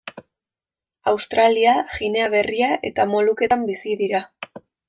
Australia, Ginea Berria eta Moluketan bizi dira.